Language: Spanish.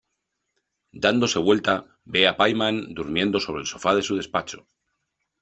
Dándose vuelta, ve a Pie Man durmiendo sobre el sofá de su despacho.